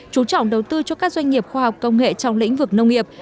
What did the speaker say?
chú trọng đầu tư cho các doanh nghiệp khoa học công nghệ trong lĩnh vực nông nghiệp